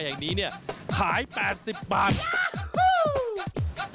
หนึ่งศูนย์หนึ่งศูนย์